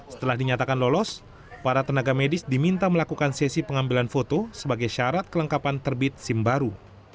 setelah dinyatakan lolos para tenaga medis diminta melakukan sesi pengambilan foto sebagai syarat kelengkapan terbit sim baru